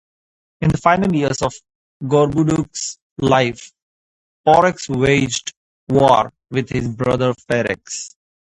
In the final years of Gorboduc's life, Porrex waged war with his brother, Ferrex.